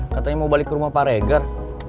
katanya mau balik ke rumah pak reger